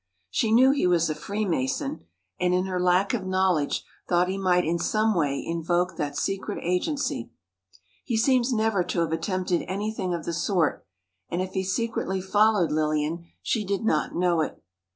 She knew he was a Freemason, and in her lack of knowledge, thought he might in some way invoke that secret agency. He seems never to have attempted anything of the sort, and if he secretly followed Lillian, she did not know it.